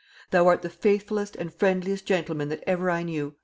thou art the faithfulest and friendliest gentleman that ever I knew."